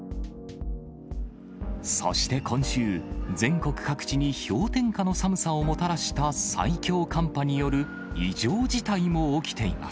そして今週、全国各地に氷点下の寒さをもたらした最強寒波による異常事態も起きています。